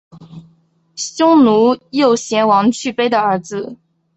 匈奴右贤王去卑的儿子。